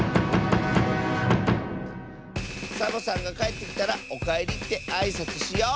サボさんがかえってきたら「おかえり」ってあいさつしよう！